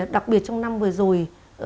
đặc biệt trong năm vừa rồi